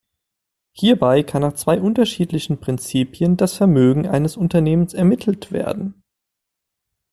Hierbei kann nach zwei unterschiedlichen Prinzipien das Vermögen eines Unternehmens ermittelt werden.